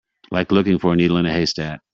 Like looking for a needle in a haystack.